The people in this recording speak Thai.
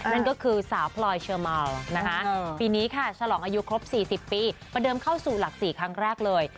นั่นก็คือสาวพลอยเชอร์เมานะคะปีนี้ค่ะฉลองอายุครบ๔๐ปีประเดิมเข้าสู่หลัก๔ครั้งแรกเลย